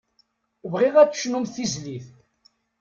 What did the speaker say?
Bɣiɣ ad d-tecnumt tizlit.